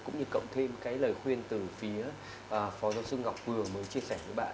cũng như cộng thêm cái lời khuyên từ phía phó giáo sư ngọc vừa mới chia sẻ với bạn